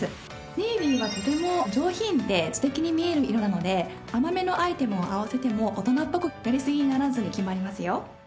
ネイビーはとても上品で知的に見える色なので甘めのアイテムを合わせても大人っぽくやりすぎにならずに決まりますよ。